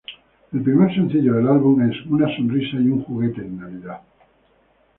El primer sencillo del álbum es "Una sonrisa y un juguete en Navidad".